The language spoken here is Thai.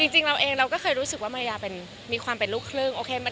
จริงเราเองเราก็เคยรู้สึกว่ามายามีความเป็นลูกครึ่งโอเค